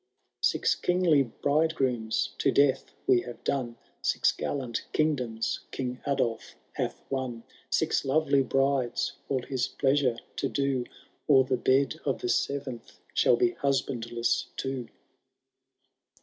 Six kingly bridegrooms to death we have done. Six gallant kingdoms Song Adolf hath won. Six lovely brides all his pleasure to do. Or the bed of the seventh shall be husbandless too.